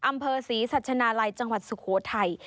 อำเภอศรีสัชนาลัยจังหวัดสุโขทัย